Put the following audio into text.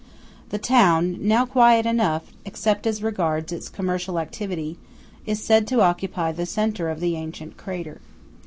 The town–now quiet enough, except as regards its commercial activity–is said to occupy the centre of the ancient crater.